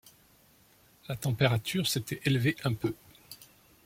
La température s’était élevée un peu.